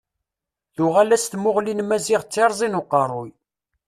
Tuɣal-as tmuɣli n Maziɣ d tirẓi n uqerruy.